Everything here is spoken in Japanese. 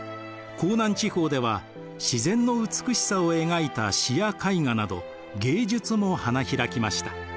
江南地方では自然の美しさを描いた詩や絵画など芸術も花開きました。